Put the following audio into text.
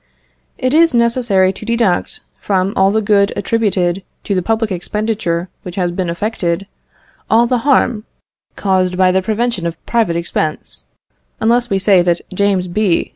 It is necessary to deduct, from all the good attributed to the public expenditure which has been effected, all the harm caused by the prevention of private expense, unless we say that James B.